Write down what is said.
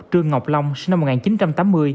trương ngọc long sinh năm một nghìn chín trăm tám mươi